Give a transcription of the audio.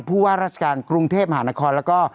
ผู้ว่าราชการกรุงเทพมหานครแล้วก็